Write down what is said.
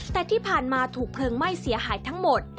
แต่ที่ผ่านมาถูกเพลิงไหม้เสียหายทั้งหมด